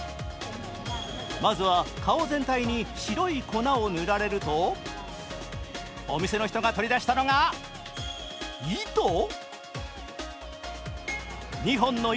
まずは顔全体に白い粉を塗られるとお店の人が取り出したのが糸？